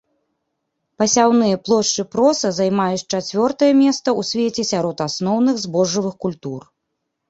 Пасяўныя плошчы проса займаюць чацвёртае месца ў свеце сярод асноўных збожжавых культур.